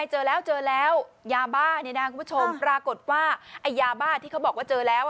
เจอแล้วยาบ้าในด้านคุณผู้ชมปรากฏว่ายาบ้าที่เขาบอกว่าเจอแล้ว